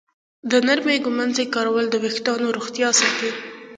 د نرمې ږمنځې کارول د ویښتانو روغتیا ساتي.